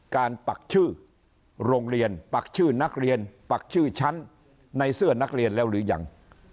ปักชื่อโรงเรียนปักชื่อนักเรียนปักชื่อชั้นในเสื้อนักเรียนแล้วหรือยัง